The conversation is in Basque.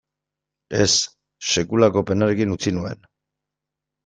Ez, sekulako penarekin utzi nuen.